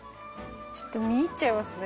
ちょっと見入っちゃいますね。